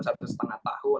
satu setengah tahun